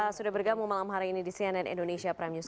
sudah bergabung malam hari ini di cnn indonesia prime news